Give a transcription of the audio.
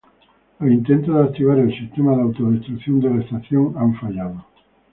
Los intentos de activar el sistema de autodestrucción de la estación han fallado.